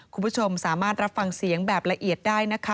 คุณผู้ชมสามารถรับฟังเสียงแบบละเอียดได้นะคะ